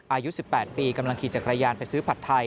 อายุ๑๘ปีกำลังขี่จักรยานไปซื้อผัดไทย